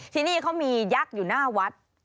ที่นี่เขามียักษ์อยู่หน้าวัด